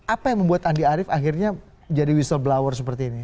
apa yang membuat andi arief akhirnya jadi whistleblower seperti ini